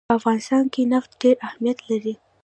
په افغانستان کې نفت ډېر اهمیت لري.